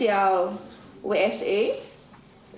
ini adalah yang terakhir